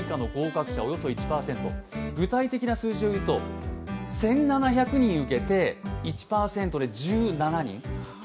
具体的な数字を言うと１７００人受けて１％で全国で１７人。